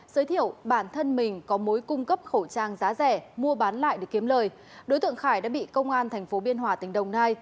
giới thiệu bản thân mình có mối cung cấp khẩu trang giá rẻ mua bán lại để kiếm lời đối tượng khải đã bị công an tp biên hòa tỉnh đồng nai